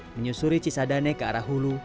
menyusuri cisadane ke arah hulu